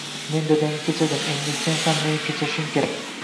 Men dadangni kechirdim, endi sen ham meni kechirishing kerak